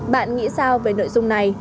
bạn nghĩ sao về nội dung này